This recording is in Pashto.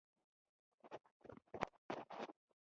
اوس د فزیکي کار ډګر تنګ شوی دی.